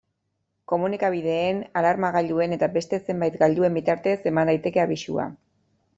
Komunikabideen, alarma-gailuen eta beste zenbait gailuen bitartez eman daiteke abisua.